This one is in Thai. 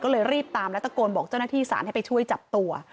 ก็เลยรีบตามและตะโกนบอกเจ้าหน้าที่สารให้ไปช่วยจับตัว